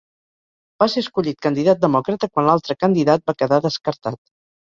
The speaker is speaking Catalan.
Va ser escollit candidat Demòcrata quan l'altre candidat va quedar descartat.